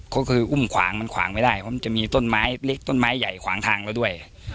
ก็คืออุ้มขวางมันขวางไม่ได้เพราะมันจะมีต้นไม้เล็กต้นไม้ใหญ่ขวางทางเราด้วย